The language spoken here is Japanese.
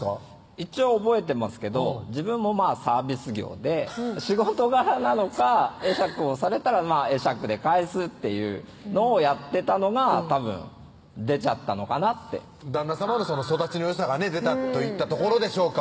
一応覚えてますけど自分もサービス業で仕事柄なのか会釈をされたら会釈で返すっていうのをやってたのがたぶん出ちゃったのかなって旦那さまの育ちのよさがね出たといったところでしょうか